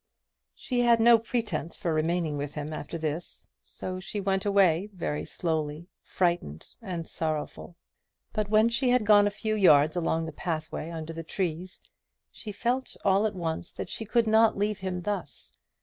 She had no pretence for remaining with him after this, so she went away, very slowly, frightened and sorrowful. But when she had gone a few yards along the pathway under the trees, she felt all at once that she could not leave him thus.